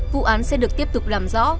vụ án sẽ được tiếp tục làm rõ